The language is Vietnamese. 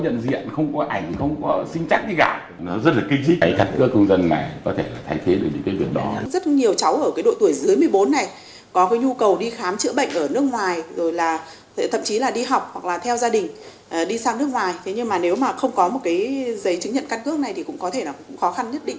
trong giấy chứng nhận căn cước này thì cũng có thể là khó khăn nhất định